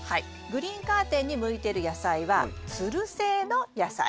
グリーンカーテンに向いてる野菜はつる性の野菜。